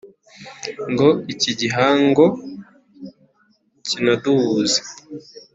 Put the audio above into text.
ngo iki gihango kinaduhuze !